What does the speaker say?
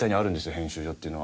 編集所っていうのは。